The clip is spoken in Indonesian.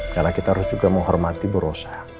karena kita harus juga menghormati berosa